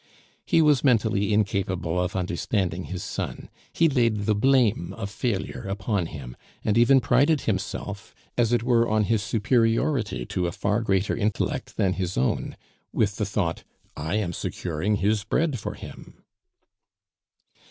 He was mentally incapable of understanding his son; he laid the blame of failure upon him, and even prided himself, as it were on his superiority to a far greater intellect than his own, with the thought, "I am securing his bread for him."